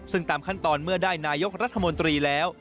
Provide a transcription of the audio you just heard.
ซึ่งตามขั้นตอนเมื่อได้นายกรัฐมนตรีแล้ว